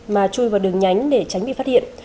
mà chui vào đường nhánh để tránh bị phát hiện